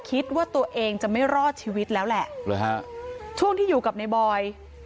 คิดว่าตัวเองจะไม่รอดชีวิตแล้วแหละฮะช่วงที่อยู่กับในบอย